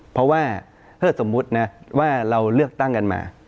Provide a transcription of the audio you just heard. เพราะว่าถ้าสมมุตินะว่าเราเลือกตั้งกันมา